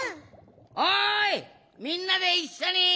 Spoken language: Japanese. みんなでいっしょに。